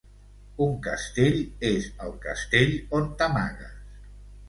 Un castell, és el castell on t'amagues.